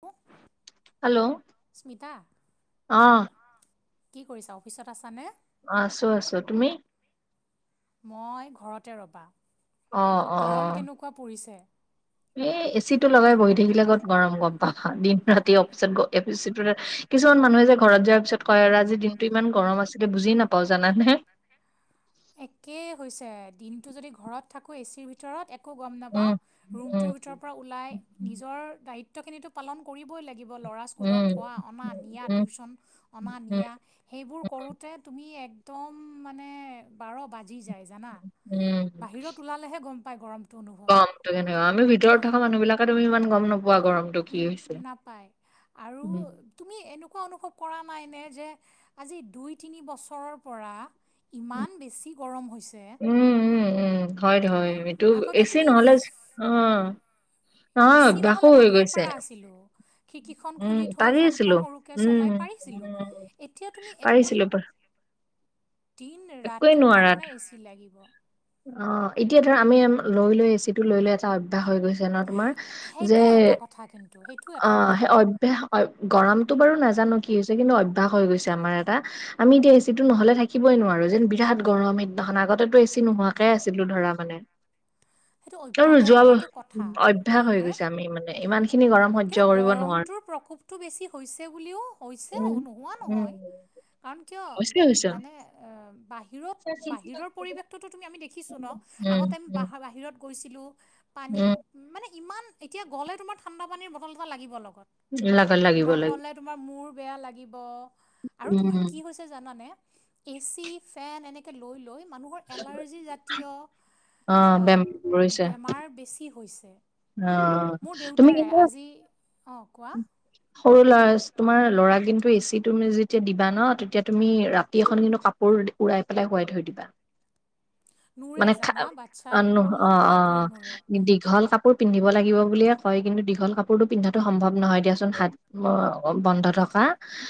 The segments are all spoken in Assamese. হ [unintelligible] হেল্ল'? স্মিতা অ কি কৰিছা অফিচত আছানে? অ', আছো আছো, তুমি? মই ঘৰতে ৰ'বা অ গৰম কেনেকুৱা পৰিছে? এ এ চি টো লগাই বহি থাকিলে ক'ত গৰম গম পাম, দিন ৰাতি অফিচত গ এ চি কিছুমান মানুহে যে ঘৰত যোৱাৰ পিছত কয় আৰু আজি দিনটো ইমান গৰম আছিলে বুজি নাপাওঁ জানানে। একে হৈছে দিনটো যদি ঘৰত থাকো এ চিৰ ভিতৰত একো গম নাপাওঁ, উম উম ৰুমটোৰ ভিতৰৰ পৰা ওলাই নিজৰ দায়িত্ব খিনিটো পালন কৰিবই লাগিব। ল'ৰা স্কুলত উম থোৱা অনা নিয়া উম টিউশ্যন, অনা উম নিয়া সেইবোৰ কৰোঁতে তুমি এক একদম মানে বাৰ বাজি যায় জানা। উম বাহিৰত ওলালেহে গম পাই গৰমটো অনুভৱ [unintelligible] সেইটো কাৰণে ভিতৰত থকা মানুহ বিলাকে তুমি ইমান গম না উমঁ' নাপায় আৰু উম তুমি এনেকুৱা অনুভৱ কৰা নাইনে যে আজি দুই তিনি বছৰৰ পৰা ইমান বেছি গৰম হৈছে উমঁ' উমঁ' উমঁ' হয়তো হয়, এইটো এ আগতে চি তুমি নহ'লেও অঁ। এ চি নহ'লে থাকিব পৰা আছিলো, খিকীখন উম, খুলি থৈ পাৰিছিলো। ফেনখন সৰু উম, চলাই পাইছিলো। উম, এতিয়া তুমি একদম পাৰিছিলো পা দিন একোৱে ৰাতি তাৰমানে এ চি লাগিব। অঁ' এতিয়া ধৰা আমি লৈ লৈ এ চি টো লৈ লৈ এটা অভ্যয়াস হৈ গৈছে- ন' তোমাৰ, যে সেইটো এটা কথা কিন্তু সেইটো এটা অঁ' কথা সেই গৰমতটো বাৰু নাজানো কি হৈছে কিন্তু অভ্যয়াস হৈ গৈছে আমাৰ এটা। আমি এতিয়া এ চি টো নহ'লে থাকিবই নোৱাৰো যেন বিৰাট গৰম কেইদিনাখন আগতেটো এ চি নোহোৱাকে আছিলো ধৰা মানে। সেইটো অভ্যাসৰ লগতো [unintelligible] কথা অভ্যয়াস হৈ হয়নে গৈছে আমি মানে ইমানখি কিন্তু গৰমটোৰ প্ৰকোপটো বেছি হৈছে বুলিও উম, হৈছেও নোহোৱা উম, নহয়। কাৰণ কিয় হৈছে হৈছে মানে এ বাহিৰত বাহিৰৰ পৰিৱেশটোতো তুমি আমি দেখিছোঁ ন' উম, আগতে আমি উম, বাহিৰত গৈছিলোঁ পানী উম। মানে ইমান এতিয়া গ'লে তোমাৰ ঠাণ্ডা পানীৰ বটল এটা লাগিব লগত। লাগাত লাগিব লাগিব নহ'লে তোমাৰ মোৰ বেয়া লাগিব আৰু উম তোমাৰ কি হৈছে জানানে এ চি, ফেন এনেকে লৈ লৈ মানুহৰ এলাৰ্জি জাতীয় অ' বেমাৰ বেমাৰ বেছি হৈছে। অঁ' মোৰ তুমি দেউতাৰে কিন্তু আজি অঁ' কোৱা? সৰু ল'ৰা। তোমাৰ ল'ৰা কিন্তু এ চিত তুমি যেতিয়া দিবা ন' তেতিয়া তুমি ৰাতি এখন কিন্তু কাপোৰ উৰাই পেলাই শুৱাই থৈ দিবা। নোৰে মানে খা জানা বাচ্ছাই অঁ' অঁ' অলপো কাপোৰ অঁ' দীঘল কাপোৰ কাপোৰ পিন্ধিব লাগিব বুলিয় কয় কিন্তু দীঘল কাপোৰটো পিন্ধাটো সম্ভৱ নহয় দিয়চোন। হাত বন্ধ থকা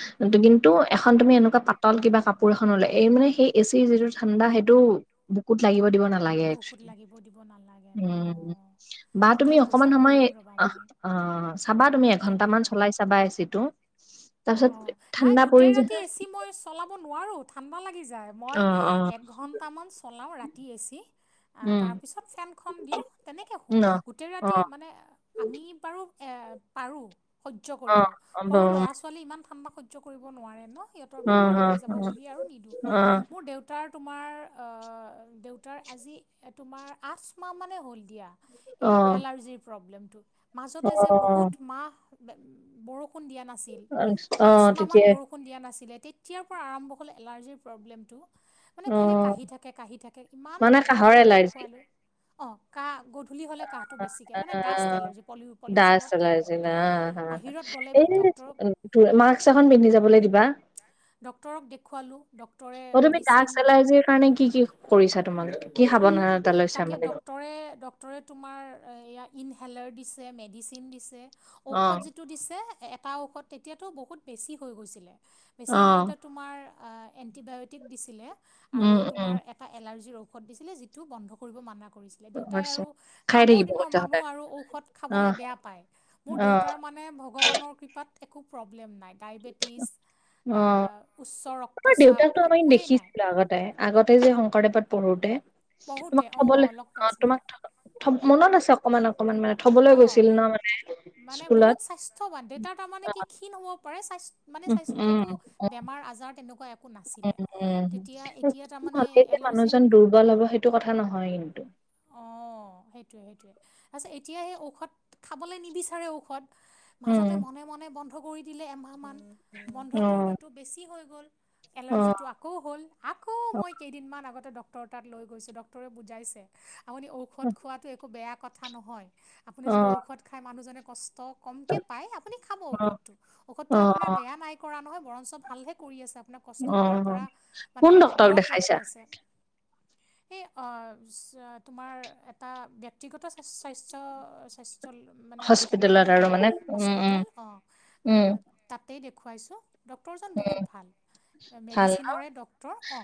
নোৰে কিন্তু এখন তুমি এনেকুৱা পাতল কিবা কাপোৰ এখন ল'লে এই মানে সেই এ চিৰ যিটো ঠাণ্ডা সেইটো বুকুত লাগিব দিব নালাগে। বুকুত একচুৱেলি লাগিব দিব নালাগে অঁ'। আহ' তুমি ঠিকেই অকমান কৈছা সময় কৰিম ৰ'বা অঁ' মই অঁ' চাবা তুমি এঘন্টা মান তেনেকুৱা চলাই চাবা এচিটো। তাৰপিছত অঁ' নাই ঠাণ্ডা পৰি গোটেই যে ৰাতি এচি মই চলাব নোৱাৰো ঠাণ্ডা লাগি যায়। মই অ অ একঘণ্টামান চলাওঁ ৰাতি এচি। আ উম তাৰপিছত ফেনখন দিওঁ তেনেকৈ শোওঁ ন গোটেই অ ৰাতি মানে। আমি বাৰো পাৰো এ সহ্য অ কৰিব অ সৰু ব- ল'ৰা -ছোৱালী। ছোৱালী ইমান ঠাণ্ডা সহ্য কৰিব নোৱাৰে ন সিহঁতৰ অ বেমাৰ অ হৈ যাব অ বুলি আৰু নিদিও মোৰ দেউ। তাৰ তোমাৰ দেউতাৰ আজি তোমাৰ আচ মাহ মানে হ'ল দিয়া। অ এই অ এলাৰ্জিৰ প্ৰব্লেমটো মাজতে যে বহুত মাহ। বে বৰষুণ দিয়া নাছিল। আনিছ। আচমাহ মান বৰষুণ দিয়া নাছিলে তেতিয়াৰ পৰা আৰম্ভ হ'ল এলাৰ্জিৰ প্ৰব্লেমটো। অ মানে খালি কাহি থাকে কাহি থাকে ইমান মানে কাহৰ ডক্তৰ এলাৰ্জি দেখুৱালো। অঁ কাহ গধূলি হ'লে কাহ। টো বেছিকে মানে ডাষ্ট আহ এলাৰ্জি পলি ডাষ্ট পলিউশনত থয় এলাৰ্জি না আৰু বাহিৰত গ'লে ডক্তৰক। ত মাস্ক এখন পিন্ধি যাবলৈ দিবা। ডক্টৰক দেখুৱালোঁ ডক্টৰে অ তুমি ডাষ্ট মেডিচিন। এলাৰ্জিৰ কাৰণে কি কি কৰিছাঁ তোমালোকে। কি সাৱধানতা লৈছা তাকে মানে ডক্টৰে ড। ডক্টৰে তোমাৰ এয়া ইনহেলাৰ দিছে, মেডিচিন দিছে অ ঔষধ যি। টো দিছে এটা ঔষধ তেতিয়াটো বহুত বেছি হৈ গৈছিলে অ বেছি হওতে। তোমাৰ আ এণ্টিবায়টিক দিছিলে আৰু উম উম তোমাৰ এটা এলাৰ্জিৰ ঔষধ দিছিলে যিটো। টো বন্ধ কৰিব মানা কৰিছে। দেউতাই হৈছে আৰু খাই আগৰ থাকিব দিনৰ কৈছে সদায় মানুহ আৰু ঔষধ খাবলৈ অহ বেয়া পায় মোৰ অ দেউতাৰ মান। মানে ভগৱানৰ কৃপাত একো প্ৰব্লেম নাই। ডায়েবেটিছ অ উচ্চ অ তোমাৰ ৰক্তচাপ দেউতাকতো আমি একোৱেই নাই। দেখিছিলো আগতে আগতে যে শংকৰদেৱত পঢ়োতে। পঢ়োতে অ অ লগ পাইছিলা। ঠম মনত আছক। অকমান অকমান মানে থবলৈ অঁ গৈছিল ন মানে মানে স্কুলত। ক্ষীন হ'ব পাৰে স্বাস্থ মানে উম স্বাস্থ্য একো বেমাৰ আজাৰ তেনেকুৱা। একো উ নাছিলে উম তেতিয়া এতিয়া ক্ষীন তাৰমানে হ'লেই যে এলাৰ্জিৰ মানুহজন দুৰ্বল হব সেইটো কথা নহয় কিন্তু। অঁ সেইটোৱে সেইটোৱে তাৰপিছত এতিয়া সেই ঔষধ খাবলৈ নিবিচাৰে ঔষধ। উম মাজতে মনে মনে বন্ধ কৰি দিলে এমাহ মান বন্ধ অ কৰোতেটো। বেছি হৈ গ'ল অ অ এলাৰজিটো আ। আকৌ হ'ল আকৌ মই কেইদিনমান আগতে ডক্টৰৰ তাত লৈ গৈছো ডক্টৰে বুজাইছে। আপুনি ঔষধ খোৱাটো একো বেয়া কথা নহয় আপুনি যদি ঔষধ খায় মানুহজনে কষ্ট। কমকে পায় আপুনি খাব অ অ ঔষধটো ঔষধটোৱে অ আপোনাৰ অ', বেয়া নাই। কৰা নহয় বৰঞ্চ ভালহে কৰি আছে আপোনাক। কষ্ট পোৱাৰ অ'। পৰা মানে কোন ডক্তৰক দূৰত ৰাখি দেখাইছা আছে সেই অ। তোমাৰ এটা ব্যক্তিগত স্বাস্থ্য স্বাস্থ্য। মানে কেন্দ্ৰই হস্পিতেলত আৰু হয় মানে উম উম হস্পিটেল অঁ উম তাতেই দেখুৱাইছোঁ। ডক্টৰজন বহুত ভাল ভাল মেডিচিনৰৰে ডক্টৰ অ।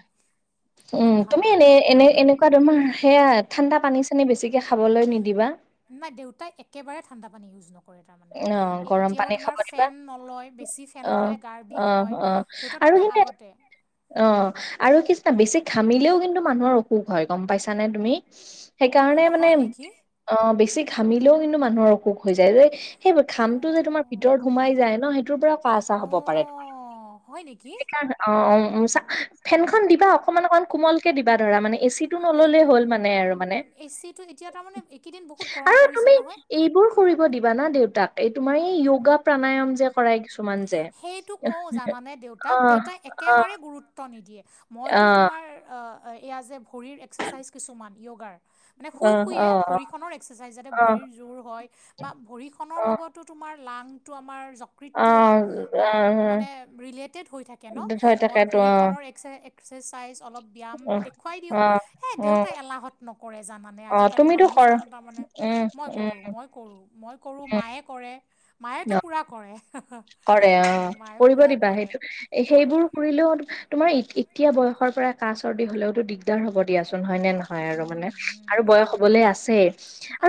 উম তুমি এনে এনে এনে। তোমাৰ সেয়াই ঠাণ্ডা পানী- চানী বেছিকে খাবলৈ নিদিবা। নাই দেউতাই একেবাৰে ঠাণ্ডা পানী ইউজ নক। কৰে তাৰমানে অ গৰম এতিয়াও পানী খাব তোমাৰ দিবা ফেন নলয় বেছি অ ফেন ল'লে গাৰ অ বিষ হয়। অ দেউতা আৰু তাৰমানে কিন্তু এ- আগতে। অ আৰু কিছনা বেছি ঘামিলেও কিন্তু মানুহৰ অসুখ হয় গম পাইছানে তুমি। সেইকাৰণে অঁ মানে হয় নেকি অ বেছি ঘামিলেও কিন্তু মানুহৰ অসুখ হৈ যায় যে সেই ঘামটো যে তোমাৰ ভিতৰত সোমাই যায় ন সেইটোৰ পৰা অঁ কাহ চাহ হ'ব পাৰে অঁ হয় নেকি সেইকাৰণে অ অ অ ফেনখন দিবা অকমান অকমান কোমলকে দিবা ধৰা মানে এচি টো নল'লেই হ'ল মানে আৰু মানে আৰু তুমি এইবোৰ [unintelligible] কৰিব দিবা না দেউতাক এই তোমাৰ এই য়োগা প্ৰাণায়ম যে কৰাই কিছুমান যে সেইটো কওঁ যানানে দেউতাক অ দেউতাই অ একেবাৰে গুৰুত্ব ত্ব নিদিয়ে অ মইতো তোমাৰ এ এয়া যে ভৰিৰ এক্সাৰচাইজ কিছুমান য়োগাৰ মানে অ শুই অ শুইয়ে ভৰিখনৰ এক্সাৰচাইজ যাতে অ ভৰিৰ জোৰ হয় বা ভৰিখনৰ অ লগত টো তোমাৰ লাংটোৰ আমাৰ যকৃতৰ অ টোৰ অ মানে ৰিলেটেড হৈ থাকে কেন হয় মই তাকেতো অ ভৰিখনৰ একস এক্সেচাইজ অলপ ব্যায়াম অ দেখুৱাই দিওঁ এ অ দেউতাই এলাহত নকৰে জানানে অ আজিকালি তুমিতো কৰা মানুহজন তাৰ মানে উম মই উম কৰো মই কৰোঁ মই কৰোঁ মায়ে কৰে অ মায়েতো পুৰা কৰে আ হা কৰে অ মায়ে কৰিব দিবা সেইটো কৰে সেইবোৰ ফুৰিলেও তোমাৰ ই এতিয়া বয়সৰ পৰা কাহ চৰ্দি হলেওতো দিগদাৰ হব দিয়াচোন হয় নে নহ হয় আৰু মানে উম উম আৰু উম বয়স হ'বলৈ আছে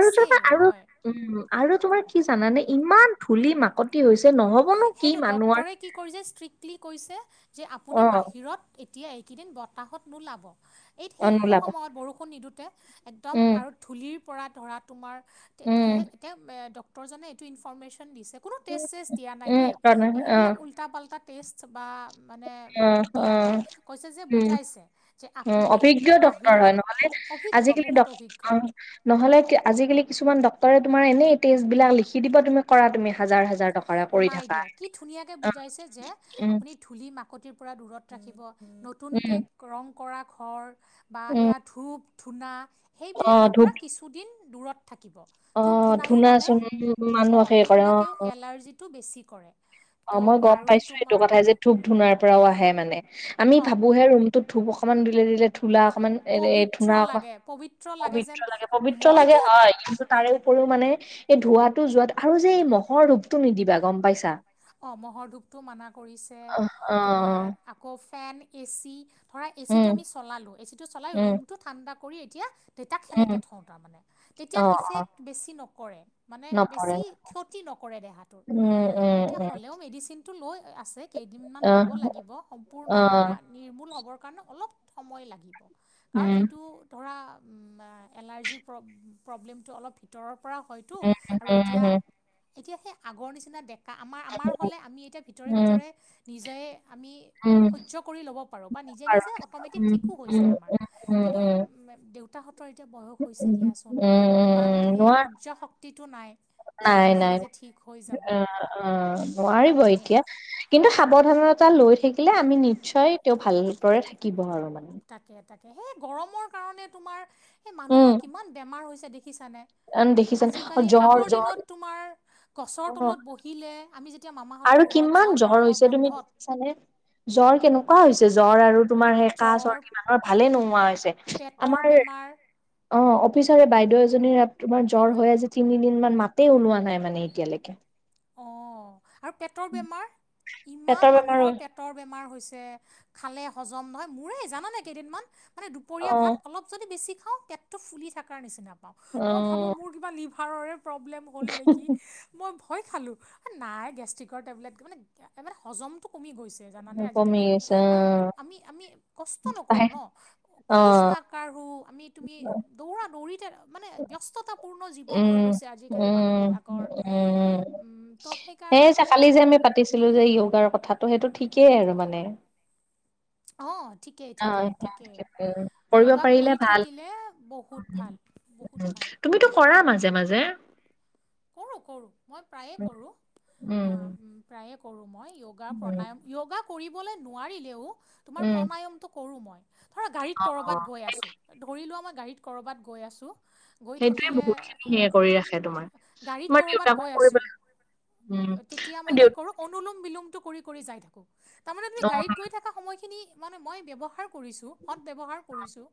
আৰু তুৱা আৰু হয় উম আৰু তোমাৰ কি জানানে ইমান ধূলি মাকতি হৈছে নহয় সেইটো ডক্টৰে কি কৰিছে ষ্ট্ৰিক্টলি কৈছে যে আপুনি অ', বাহিৰত এতিয়া এইকেইদিন বতাহত নোলাব এই অ', সেই সেই নোলাবা সময়ত বৰষুণ নিদওঁতে একদম উম, আৰু ধূলিৰ পৰা ধৰা তোমাৰ উম, তেতিয়া ডক্তৰ জনে এইটো ইনফৰমেচন দিছে কোনো টেষ্ট চেষ্ট দিয়া নাই উম, দেই সেই এইবিলাক অ', উল্টা পাল্টা টেষ্ট বা মানে অ', দিয়া নাই অ', কৈছে যে উম। বুজাইছে যে উম, আপুনি অভিজ্ঞ ডক্তৰ বাহিৰৰ হয় নহ'লে অভিজ্ঞ আজিকালি বহুত ডক অভিজ্ঞ অ, নহ'লে আজিকালি কিছুমান ডাক্তৰে তমাৰ এনে টেষ্ট বিলাক লিখি দিব তুমি কৰা তুমি হাজাৰ হাজাৰ টকাৰ পৰি নাই থাকা দিয়া কি ধুনীয়াকে অ বুজাইছে যে উম আপুনি ধূলি মাকতিৰ পৰা দূৰত ৰাখিব নতুনকৈ উম, ৰং কৰা ঘৰ বা উম, এয়া ধূপ ধূনা অ', সেইবিলাকৰ ধূপ পৰা কিছুদিন দূৰত থাকিব ধূপ অ', ধূনায়ো ধূনা মানে চোন অঁ মানুহক হেৰি কৰে অ', সেইবিলাকেও অ', এলাৰ্জিটো বেছি কৰে অ ত' মই গম আৰু পাইছো এইটো তোমাৰ কথা যে ধুপ ধুনাৰ পৰাও আহে মানে আমি অঁ ভাবোহে ৰুম তো ধূপ অকমান দিলে দিলে ধূলা অকমান এ পবিত্ৰ ধূলা অকমান লাগে পবিত্ৰ পবিত্ৰ যেন লাগে পবিত্ৰ লাগে মইতো হয় তাৰে উপৰিও মানে এই ধোঁৱটো যোৱাত আৰু যে এই মহৰ ধূপটো নিদিবা গম পাইছা অঁ মহৰ ধূপটো মানা কৰিছে অ', অ', তোমাৰ আকৌ ফেন এ চি ধৰা এ উম, চিটো আমি চলালোঁ এ চিটো চলাই উম, ৰুমটো ঠাণ্ডা কৰি এতিয়া তে তাক উম, সেনেকৈ থওঁ তাৰমানে তেতিয়াত অ', ইফেক্ট বেছি নকৰে মানে নপৰে। বেছি ক্ষতি নকৰে দেহাটোৰ উম, উম, উম, তেওঁ মেডিচিনটো লৈ আছে কেইদিনমান ল'ব আহ, লাগিব সম্পূৰ্ণ নিৰা অ', নিৰ্মূল হ'বৰ কাৰণে অলপ সময় লাগিব কাৰণ উম, এইটো ধৰা এলাৰ্জিৰ প্ৰ প্ৰব্লেমটো অলপ হ ভিতৰৰ পৰা হয়তো উম, আৰু উম, এতিয়া উম, এতিয়া সেই আগৰ নিচিনা দে আমাৰ আমাৰ হ'লে আমি এতিয়া ভিতৰে উম, ভিতৰে নিজে আমি উম, সহ্য কৰি ল'ব পাৰোঁ বা নিজে আৰু নিজে কিছু অট'মেটিক উম, ঠিকো হৈ উম, যায় আমাৰ উম, উম, কিন্তু উম, দেউ দুতাহঁতৰ এতিয়া বয়স হৈছে উম, উম, দিয়াচোন ইমান উম, সেই নোৱাৰ উৰ্জা শক্তিটো নাই যে নিজে নিজে ঠিক হৈ যাব। অহ তো নোৱাৰিব মে এতিয়া। কিন্তু সাৱধানতা লৈ থাকিলে আমি নিশ্চয় তেওঁ ভালদৰে থাকিব আৰু মানে। তাকে তাকে সেই গৰমৰ কাৰণে তোমাৰ সেই উম, মানুহৰ কিমান বেমাৰ হৈছে দেখিছা নে। দেখিছানে অ', আজিকালি জ্বৰ, আগৰ জ্বৰ, দিনত তোমাৰ গছৰ অ'। তলত বহিলে আমি যে আৰু কিমান জ্বৰ হৈছে তুমি দেখিছানে জ্বৰ কেনেকুৱা হৈছে জ্বৰ আৰু তোমাৰ সে কাহঁ জ্বৰ চৰ্দি মানুহৰ ভালে নোহোৱা হৈছে পেটৰ আমাৰ। বেমাৰ অহ অফিচৰে বাইদেউ এজনীৰ তোমাৰ জ্বৰ হৈ আজি তিনিদিন মান মাত তে ওলোৱা নাই মানে এতিয়ালৈকে। অঁ আৰু পেটৰ বেমাৰ ইমান পেটৰ বেমাৰো মানুহৰ পেট। পেটৰ বেমাৰ হৈছে খালে হজম নহয় মোৰে জানানে কেইদিনমান মানে অ দুপৰীয়া ভাত অলপ। যদি বেছি খাওঁ পেটতো ফুলি থাকা নিচিনা পাওঁ অ মই ভাবো মোৰ কিবা লিভাৰৰ প্ৰব্লেমৰ। হ'ল নেকি মই। হয় খালোঁ নাই গেষ্ট্ৰিকৰ টেবলেট মানে মানে হজমটো কমি গৈছে। জানানে কমি আজিকালি গৈছে আৰু আমি আমি কষ্ট অ নকৰোঁ ন অ খোজ না। কাঢ়ো আমি তুমি দৌৰা দৌৰিতে। মানে ব্যস্ততাপূৰ্ণ জীৱন হৈ উম গৈছে আজিকালি উম মানুহবিলাকৰ। উম উম ত' সেইকাৰণে মানে। ছিলো যে যয়োগাৰ কথাটো সেইটো ঠিকেই আৰু মানে। অহ ঠিকেই অ ঠিকেই ঠিকেই। কৰিব য়োগা পাৰিলে কৰি ভাল। থাকিলে বহুত ভাল বহুত ভাল তুমিতো কৰা মাজে মাজে। কৰোঁ কৰোঁ মই প্ৰায়ে উম, কৰোঁ অহ। উম, প্ৰায়ে কৰোঁ মই য়োগা উম, প্ৰাণায়াম য়োগা কৰিবলৈ নোৱাৰিলেও। তোমাৰ উম, প্ৰাণায়ামটো কৰো মই ধৰা গাড়ীত কৰবাত অ', গৈ সেই আছো। ধৰি লোৱা মই গাড়ীত ক'ৰবাত গৈ আছোঁ গৈ সেইটোৱে থাকিলে। বহুত খিনি অ সেয়ে কৰি ৰাখে তোমাৰ, গাড়ীত তোমাৰ কৰবাট দেউতাকো গৈ কৰিব আছো লাগে। উম, তেতিয়া তুমি মই দেউ কি কৰো আৰু অনুলম বিলমটো কৰি কৰি যাই থাকো তাৰমানে তুমি অ', গাড়ীত গৈ থকা সময়খিনি মানে মই ব্যৱহাৰ কৰিছোঁ সদ ব্যৱহাৰ কৰিছোঁ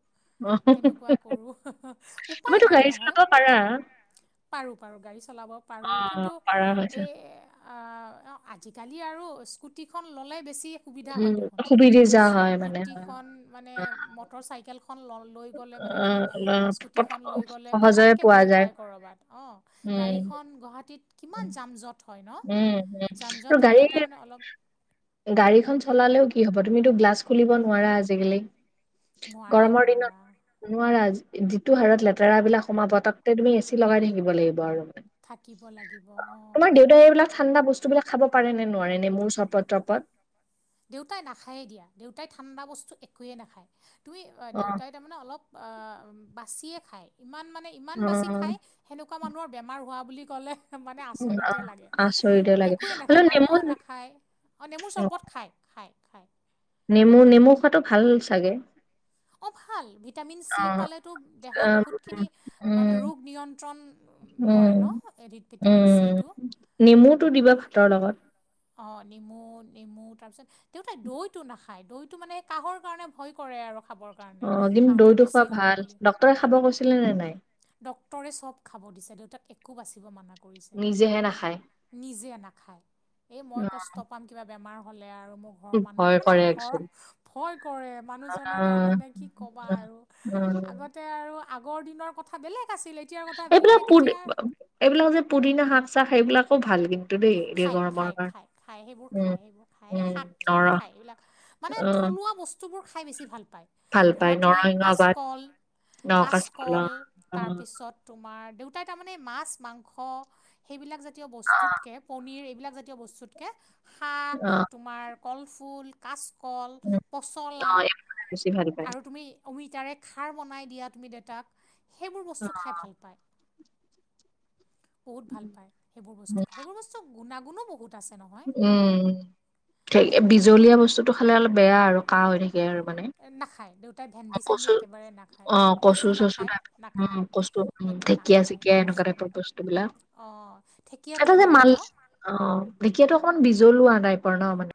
অ', তেনেকুৱা কৰোঁ হুহ উপায় তুমিতো নাই গাড়ী নহয়। চলাব পাৰা। পাৰোঁ পাৰোঁ গাড়ী চলাব পাৰোঁ অ', কিন্তু পাৰা হৈছে, এই। আহ আজিকালি আৰু স্কুটিখন ল'লে বেছি। সুবিধা উম, হয় দেখোন সুবিধা হয় মানে হয়, স্কুটিখন মানে মটৰ চাইকেলখন ললে লৈ গ'লে মানে কি অ', অ, স্কুটিখন পত- লৈ গ'লে সহজে পতক। এ পোৱা গৈ যায়, পায় কৰবাত অহ উম, গাড়ীখন গুৱাহাটীত উম, কিমান যাঁম জট। হয় ন উম, উম। যান আৰু জঁট গাড়ী হ'লে তাৰমানে অলপ। গাড়ীখন চলালেও কি হব তুমিতো গ্লাছ খুলিব নোৱাৰা আজিকালি। নোৱাৰা গৰমৰ নোৱাৰা দিনত নোৱাৰা যিটো হাৰত লেতেৰা বিলাক সোমাব তাকৈ তুমি। লগাই থাকিব লাগিব আৰু। থাকিব লাগিব অহ। তই এইবিলাক ঠাণ্ডা বস্তুবিলাক খাব পাৰে নে নোৱাৰে নে মোৰ চৰবত তৰবত। দেউতাই নাখায়েই দিয়া দেউতাই ঠাণ্ডা বস্তু একোৱে নাখায় তুমি অ', দেউতাই তাৰমানে। মানে অলপ অ বাছিয়ে খায় ইমান মানে ইমান বাছি অ', খায়। সেনেকুৱা মানুহৰ বেমাৰ হোৱা বুলি ক'লে। একদম মানে আচৰিতে লাগে আচৰিতে লাগে একোৱে নাখায় হ'লেও মাংস নেমু নাখায়। অ, নেমুৰ চৰ্বত খায় খায় খায়। নেমু - নেমু খোৱাটো ভাল চাগে? অঁ ভাল, ভিটামিন চি অ', পালেতো দেহাৰ অ', উম, বহুতখিনি মানে ৰোগ নিয়ন্ত্ৰণ উম, কৰে ন এ দি ভিটামিন উম, চিটো। নেমুটো দিবা ভাতৰ লগত। অঁ নেমু - নেমু তাৰপিছত দেউতাই দৈটো নাখায়, দৈটো মানে কাহৰ কাৰণে ভয় কৰে আৰু খাবৰ কাৰণে অ দিম কাহটো দৈটো বেছি খোৱা ভাল, ডক্তৰে খাব কৈছিলে নে নাই? ডক্টৰে চব খাব দিছে দেউতাক একো বাচিব মানা কৰিছে। নিজেহে নাখায় নিজে নাখায়। এই মই কষ্ট পাম, কিবা বেমাৰ হ'লে আৰু মোক ঘৰৰ অ', মানুহ ভয় তাৰমানে আ কৰে ঘৰৰ একচুৱেলি ভয় কৰে, মানুহজনে অ', তাৰমানে কি ক'বা আৰু অ', আগত তে আৰু আগৰ দিনৰ কথা বেলেগ আছিল এ এইবিলাক পুদি বা এইবিলাক যে পুদিনা শাক চাক সেইবিলাকো ভাল কিন্তু দেই খায়, [inaudible] খায়, খায়, সেইবোৰ উম, খায় সেইবোৰ খায়, উম, শাক চাক নৰম খায় এইবিলাক মানে অ', থলুৱা বস তুবোৰ খাই বেছি ভাল পায়, ভাল ধৰা পায় তুমি নৰসিংহ পাত, কাচকল নকাচ কলা কাচকল অ', তাৰপিছত তোমাৰ দেউতাই তাৰমানে মাছ - মাংস সেইবিলাক জাতীয় বস্তুতকে পনীৰ এইবিলাক জাত তীয় বস্তুতকে শাক, অ', তোমাৰ কলফুল কাচকল, উম, পচলা অ', এইবোৰ খাই বেছি ভাল পায়। আৰু তুমি অমিতাৰে খাৰ বনাই দিয়া তুমি দেউতাক সেইবোৰ বস্তু খাই ভাল পায়। বহুত ভাল পাই সেইবোৰ বস্তু খায়, সেইবোৰ বস্তু গুণাগুণো বহুত আছে নহ উম, থেই বিজলীয়া বস্তুটো খালে অলপ বেয়া আৰু কাহ হৈ থাকে আৰু মানে। এ নাখায় দেউ তাই অ, ভেন্দি - চেন্দি কচু একেবাৰে নাখায়, অ', কচু চচু নাখায় টাইপ - উম, নাখায় কচু উম, সেইটো ঢেকীয়া নাখায় চেকীয়া এনেকুৱা কচু। টাইপৰ বস্তু বিলাক অ', ঢেঁকীয়াটো এটা যে বেয়া মাল ন? অ ', ঢেঁকীয়াতো অকমান বিজলুৱা টাইপৰ ন মানে।